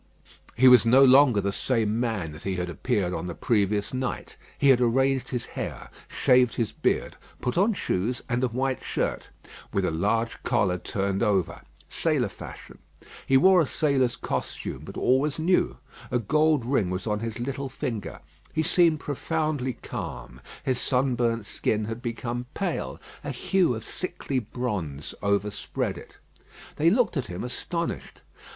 He was no longer the same man that he had appeared on the previous night. He had arranged his hair, shaved his beard, put on shoes, and a white shirt, with a large collar turned over, sailor fashion. He wore a sailor's costume, but all was new. A gold ring was on his little finger. He seemed profoundly calm. His sunburnt skin had become pale: a hue of sickly bronze overspread it. They looked at him astonished.